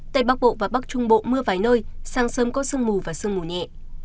tây bắc bộ và bắc trung bộ mưa vài nơi sáng sớm có sương mù và sương mù nhẹ